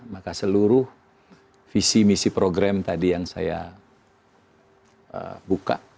maka seluruh visi misi program tadi yang saya buka